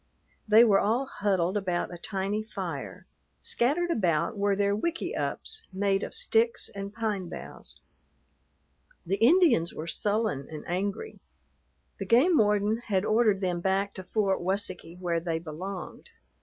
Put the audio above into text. They were all huddled about a tiny fire; scattered about were their wikiups made of sticks and pine boughs. The Indians were sullen and angry. The game warden had ordered them back to Fort Washakie, where they belonged.